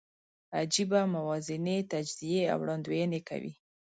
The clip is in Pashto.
عجېبه موازنې، تجزیې او وړاندوینې کوي.